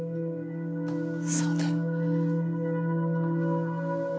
そうね。